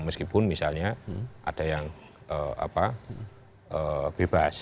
meskipun misalnya ada yang bebas